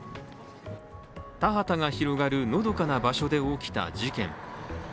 田畑が広がるのどかな場所で起きた事件。